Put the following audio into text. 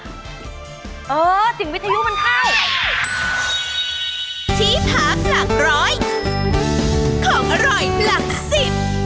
เออจิงวิทยุมันไข้